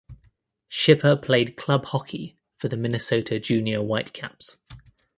Schipper played club hockey for the Minnesota Junior Whitecaps.